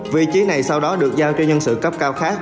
vị trí này sau đó được giao cho nhân sự cấp cao khác